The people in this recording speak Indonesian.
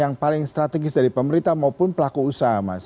yang paling strategis dari pemerintah maupun pelaku usaha mas